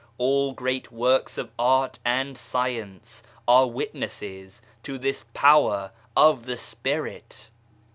All great works of art and science are witnesses to this power of the Spirit.